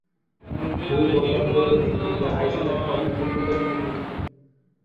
ভূ-গঠনগত দিক থেকে আইসল্যান্ড অপেক্ষাকৃত নবীন।